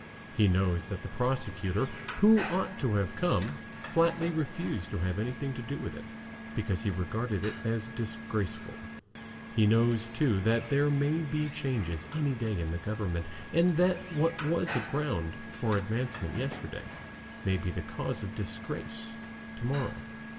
He knows that the prosecutor, who ought to have come, flatly refused to have anything to do with it, because he regarded it as disgraceful. He knows, too, that there may be changes any day in the government, and that what was a ground for advancement yesterday may be the cause of disgrace to morrow.